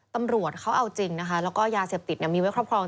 ตำรวจเขาเอาจริงนะคะแล้วก็ยาเสพติดมีไว้ครอบครอง